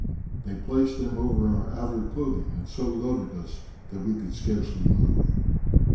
They placed them over our outer clothing, and so loaded us that we could scarcely move."